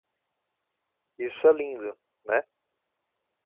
Isso é lindo, né?